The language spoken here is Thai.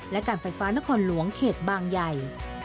และการไฟฟ้านครหลวงเขตบางใหญ่